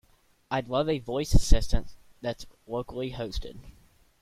I'd love a voice assistant that's locally hosted.